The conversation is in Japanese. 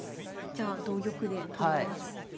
じゃあ同玉で取ります。